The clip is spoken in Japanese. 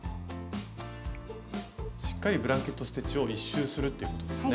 しっかりブランケット・ステッチを１周するっていうことですね。